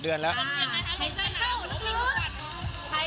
เดือนแล้ว